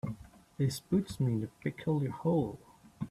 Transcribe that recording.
This puts me in a peculiar hole.